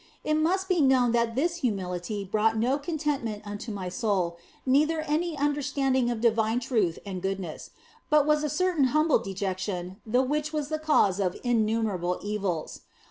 It must be known that this humility brought no content ment unto my soul, neither any understanding of divine truth and goodness, but was a certain humble dejection the which was the cause of innumerable evils.